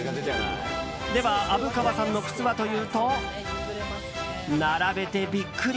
では、虻川さんの靴はというと並べてビックリ！